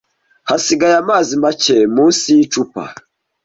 Hasigaye amazi make munsi y icupa.